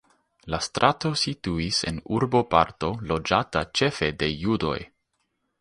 La strato situis en urboparto loĝata ĉefe de judoj.